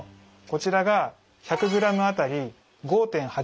こちらが１００ｇあたり５．８ｍｇ。